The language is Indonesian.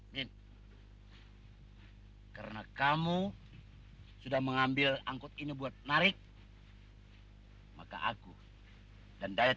ini karena kamu sudah mengambil angkut ini buat narik maka aku dan diet